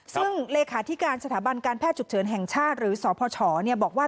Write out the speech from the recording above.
ซึ่งเลขาธิการสถาบันการแพทย์ฉุกเฉินแห่งชาติหรือสพชบอกว่า